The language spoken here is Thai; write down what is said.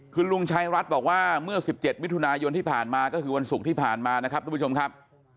คือลุงชัยรัฐบอกว่าเมื่อ๑๗มิถุนายนที่ผ่านมาก็คือวันศุกร์ที่ผ่านมานะครับทุกผู้ชมครับ